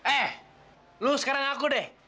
eh lu sekarang aku deh